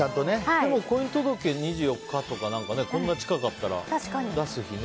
でも、婚姻届２４日とかこんな近かったら、出す日ね。